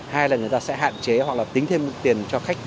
hai là người ta sẽ hạn chế hoặc là tính thêm tiền cho khách